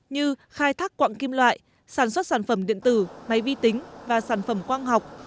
như khai thác quạng kim loại sản xuất sản phẩm điện tử máy vi tính và sản phẩm quang học